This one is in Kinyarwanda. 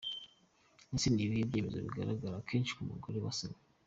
Ese ni ibihe bimenyetso bigaragara akenshi ku mugore wasamye?.